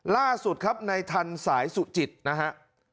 ล่าสุดครับในทันสายสุจิตนะฮะ